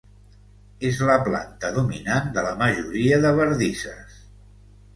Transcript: És la planta dominant de la majoria de bardisses.